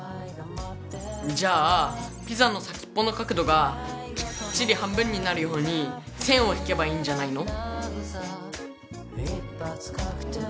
じゃあピザの先っぽの角度がきっちり半分になるように線を引けばいいんじゃないの？